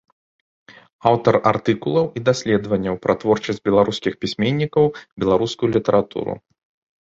Аўтар артыкулаў і даследаванняў пра творчасць беларускіх пісьменнікаў, беларускую літаратуру.